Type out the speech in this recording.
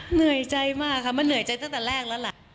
เหนื่อยใจมากค่ะมันเหนื่อยใจตั้งแต่แรกแล้วล่ะ